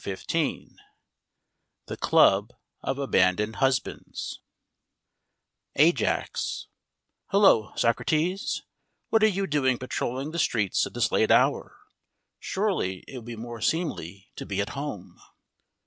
THE CLUB OF ABANDONED HUSBANDS AJAX: Hullo, Socrates, what are you doing patrolling the streets at this late hour? Surely it would be more seemly to be at home?